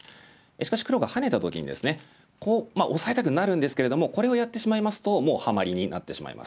しかし黒がハネた時にですねこうオサえたくなるんですけれどもこれをやってしまいますともうハマリになってしまいます。